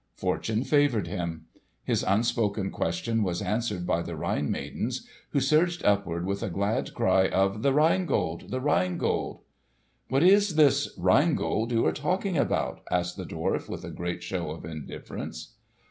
Fortune favoured him. His unspoken question was answered by the Rhine maidens who surged upward with a glad cry of "The Rhine Gold! The Rhine Gold!" "What is this Rhine Gold you are talking about?" asked the dwarf with a great show of indifference.